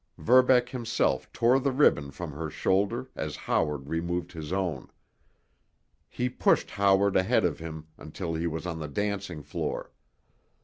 Verbeck himself tore the ribbon from her shoulder as Howard removed his own. He pushed Howard ahead of him until he was on the dancing floor.